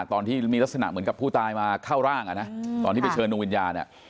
ตอนที่มีลักษณะเหมือนกับผู้ตายมาเข้าร่างอ่ะนะตอนที่ไปเชิญดวงวิญญาณ